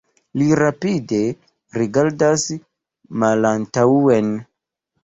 Li rapide rigardas malantaŭen.